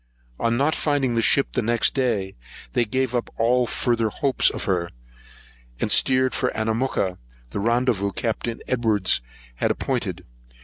On not finding the ship next day, they gave up all further hopes of her, and steered for Anamooka, the rendezvous Captain Edwards had appointed.